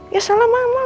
ya salah mama